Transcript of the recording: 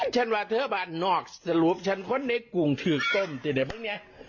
ฉันวาเทอร์บาทนอกสรุปฉันคอนในกรุงถือกร่ง